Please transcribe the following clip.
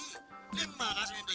oh tenang nanti ini